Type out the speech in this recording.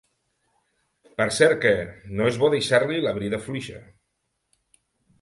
Per cert que... no és bo deixar-li la brida fluixa.